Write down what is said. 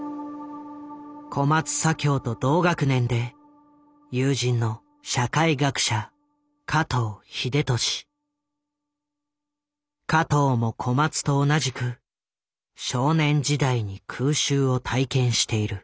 小松左京と同学年で友人の加藤も小松と同じく少年時代に空襲を体験している。